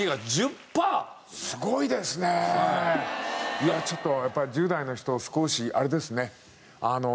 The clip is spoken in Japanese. いやちょっとやっぱり１０代の人少しあれですね。